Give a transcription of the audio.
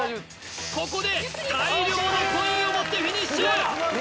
ここで大量のコインを持ってフィニッシュ！